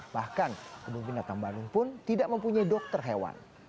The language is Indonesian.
bahkan kebun binatang bandung pun tidak mempunyai dokter hewan